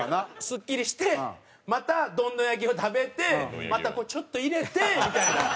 すっきりしてまたどんどん焼を食べてまたこうちょっと入れてみたいな。